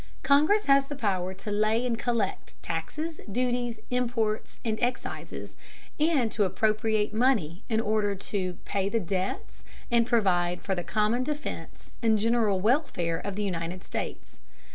Congress has the power to lay and collect taxes, duties, imports, and excises, and to appropriate money in order "to pay the debts and provide for the common defense and general welfare of the United States."